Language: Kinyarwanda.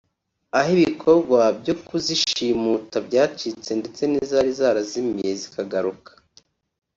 aho ibikorwa byo kuzishimuta byacitse ndetse n’izari zarazimiye zikagaruka